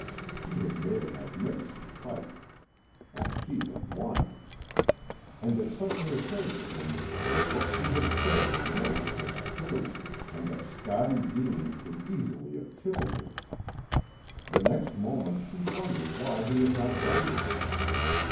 She had made a magnificent fight. And she had won. And it suddenly occurred to him that what she had said in the note was true, and that Scottie Deane could easily have killed him. The next moment he wondered why he had not done that.